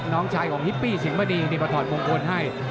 น้องชายของฮิปปี้สิงหมณีนี่มาถอดมงคลให้